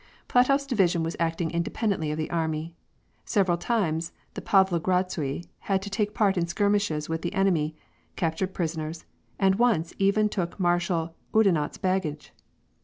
Platof's division was acting independently of the army. Several times the Pavlogradsui had taken part in skirmishes with the enemy, captured prisoners, and once even took Mar shal Oudinot's baggage.